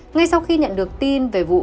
ngay sau khi nhận được tin về vụ